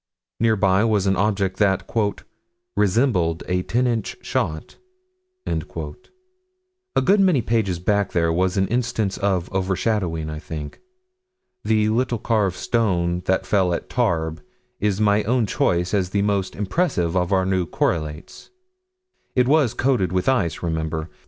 Near by was an object that "resembled a ten inch shot." A good many pages back there was an instance of over shadowing, I think. The little carved stone that fell at Tarbes is my own choice as the most impressive of our new correlates. It was coated with ice, remember.